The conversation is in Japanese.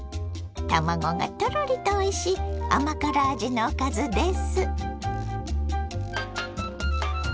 卵がトロリとおいしい甘辛味のおかずです。